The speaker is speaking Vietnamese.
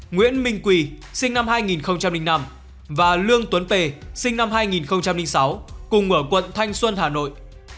nguyễn minh quỳ sinh năm hai nghìn năm và lương tuấn p sinh năm hai nghìn sáu cùng ở quận thanh xuân hà nội